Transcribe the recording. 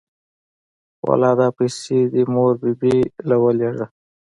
واله دا پيسې دې مور بي بي له ولېږه.